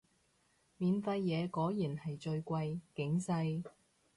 免費嘢果然係最貴，警世